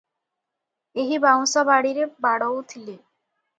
ଏହି ବାଉଁଶବାଡ଼ିରେ ବାଡ଼ଉଥିଲେ ।